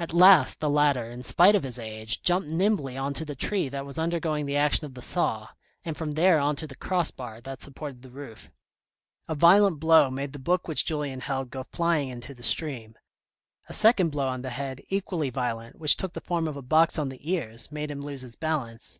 At last the latter, in spite of his age, jumped nimbly on to the tree that was undergoing the action of the saw, and from there on to the cross bar that supported the roof. A violent blow made the book which Julien held, go flying into the stream ; a second blow on the head, equally violent, which took the form of a box on the ears, made him lose his balance.